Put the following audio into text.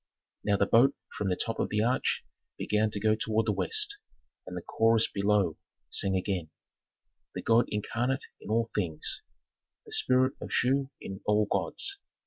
Now the boat from the top of the arch began to go toward the west, and the chorus below sang again: "The god incarnate in all things, the spirit of Shu in all gods.